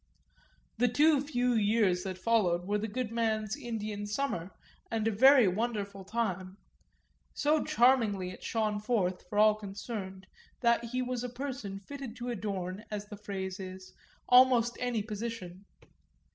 The too few years that followed were the good man's Indian summer and a very wonderful time so charmingly it shone forth, for all concerned, that he was a person fitted to adorn, as the phrase is, almost any position.